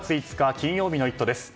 金曜日の「イット！」です。